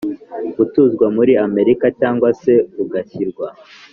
gutuzwa muri Amerika Cyangwa se ugashyirwa